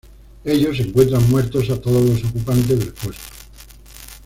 Ellos encuentran muertos a todos los ocupantes del puesto.